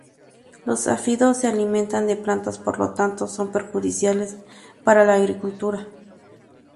Los áfidos se alimentan de plantas por lo tanto son perjudiciales para la agricultura.